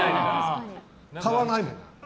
買わないもん。